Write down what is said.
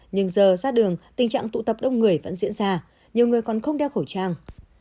nhưng giờ ra đường tình trạng tụ tập đông người vẫn diễn ra nhiều người còn không đeo khẩu trang